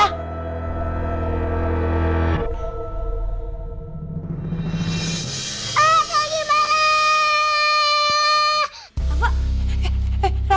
ah lagi marah